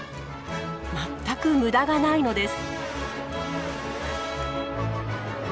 全く無駄がないのです。